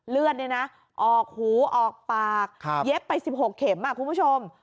เลือดเนี่ยนะออกหูออกปากเย็บไป๑๖เข็มคุณผู้ชม